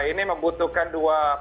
ini membutuhkan dua perusahaan